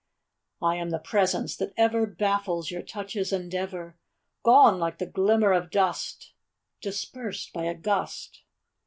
I am the presence that ever Baffles your touch's endeavor, Gone like the glimmer of dust Dispersed by a gust.